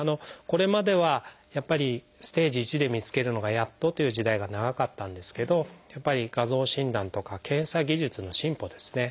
これまではやっぱりステージⅠで見つけるのがやっとという時代が長かったんですけどやっぱり画像診断とか検査技術の進歩ですね